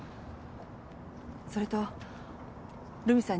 それと留美さん